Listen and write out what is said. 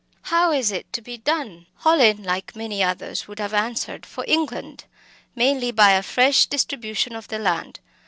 How is it to be done? Hallin, like many others, would have answered "For England mainly by a fresh distribution of the land."